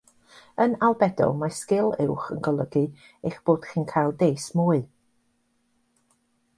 Yn Albedo, mae sgil uwch yn golygu eich bod chi'n cael deis mwy.